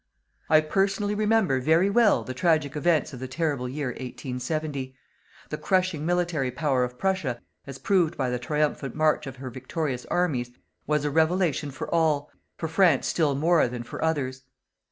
I personally remember very well the tragic events of the terrible year, 1870. The crushing military power of Prussia as proved by the triumphant march of her victorious armies, was a revelation for all, for France still more than for others.